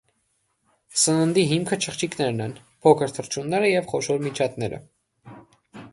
Սննդի հիմքը չղջիկներն են, փոքր թռչունները և խոշոր միջատները։